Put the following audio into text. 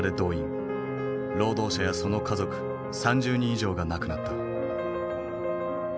労働者やその家族３０人以上が亡くなった。